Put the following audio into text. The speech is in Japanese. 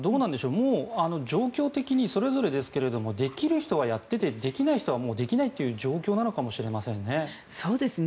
もう状況的にそれぞれですができる人はやっていてできない人はできないという状況なのかもしれませんね。